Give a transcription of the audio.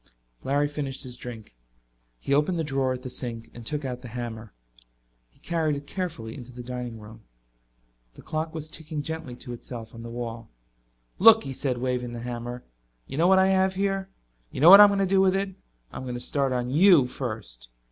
Larry finished his drink. He opened the drawer at the sink and took out the hammer. He carried it carefully into the dining room. The clock was ticking gently to itself on the wall. "Look," he said, waving the hammer. "You know what I have here? You know what I'm going to do with it? I'm going to start on you first."